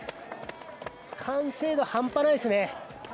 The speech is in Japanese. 完成度、半端ないですね。